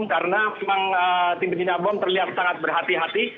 karena memang tim penjinak bom terlihat sangat berhati hati